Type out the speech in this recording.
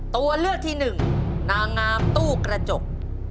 ตัวเลือกที่หนึ่งนางงามตู้กระจก